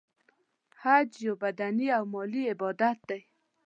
حج یو بدنې او مالی عبادت دی .